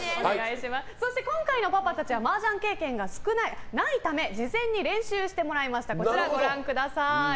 そして今回のパパたちはマージャン経験が少ない、ないため事前に練習してもらいました。